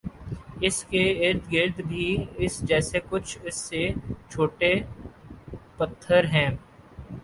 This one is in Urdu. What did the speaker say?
اس کے ارد گرد بھی اس جیسے کچھ اس سے چھوٹے پتھر ہیں